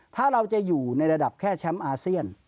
ถ้าเราจะอยู่ในระดับแค่แชมป์อาเซียน